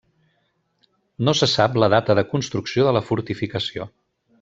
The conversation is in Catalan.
No se sap la data de construcció de la fortificació.